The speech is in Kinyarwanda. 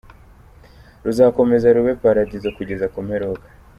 Ruzakomeza rube Paradizo kugeza ku mperuka.